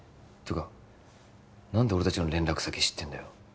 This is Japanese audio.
てか何で俺達の連絡先知ってんだよ